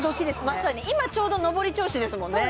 まさに今ちょうど上り調子ですもんね